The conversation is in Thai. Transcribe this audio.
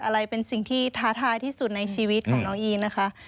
อะไรเป็นสิ่งที่ท้าทายที่สุดในชีวิตของน้องอีนนะคะ